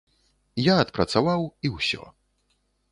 Я адпрацаваў, і ўсё.